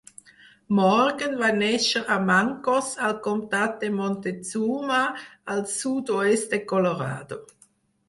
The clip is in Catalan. Morgan va néixer a Mancos, al comtat de Montezuma, al sud-oest de Colorado.